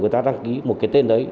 người ta đăng ký một cái tên đấy